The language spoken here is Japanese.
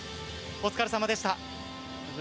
お疲れさまでした。